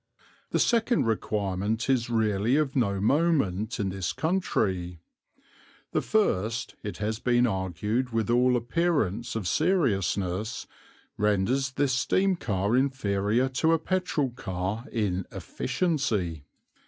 The second requirement is really of no moment in this country; the first, it has been argued with all appearance of seriousness, renders this steam car inferior to a petrol car in "efficiency."